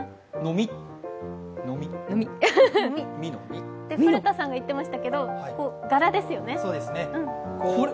みの古田さんが言ってましたけど柄ですよね。